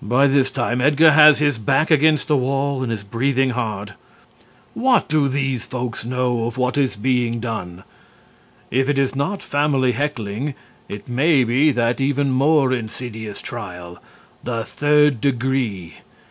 By this time Edgar has his back against the wall and is breathing hard. What do these folks know of what is being done? If it is not family heckling it may be that even more insidious trial, the third degree.